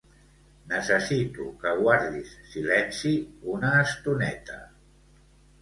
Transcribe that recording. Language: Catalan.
Necessito que guardis silenci una estoneta.